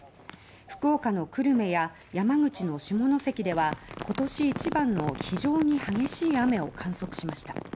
福岡の久留米や山口の下関では今年一番の非常に激しい雨を観測しました。